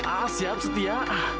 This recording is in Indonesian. a'a siap setia